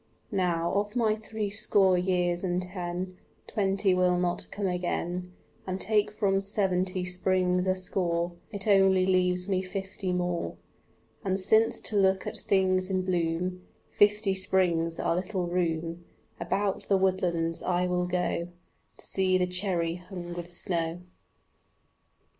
Now, of my threescore years and ten, Twenty will not come again, And take from seventy springs a score, It only leaves me fifty more. And since to look at things in bloom Fifty springs are little room, About the woodlands I will go To see the cherry hung with snow.